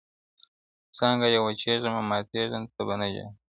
څانګه یم وچېږمه- ماتېږم ته به نه ژاړې-